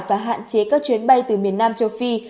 và hạn chế các chuyến bay từ miền nam châu phi